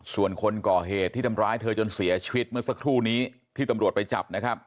ส่วนคนก่อเหตุที่ทำร้ายเธอจนเสียชีวิตเมื่อสักครู่นี้ที่ตำรวจไปจับนะครับ